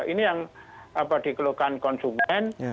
ini yang dikeluhkan konsumen